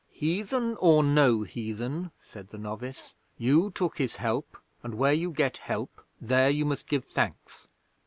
"Heathen or no heathen," said the novice, "you took his help, and where you get help there you must give thanks."